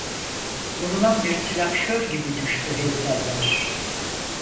Vurulan bir silahşor gibi düştü heykeller…